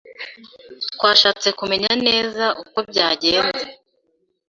Twashatse kumenya neza uko byagenze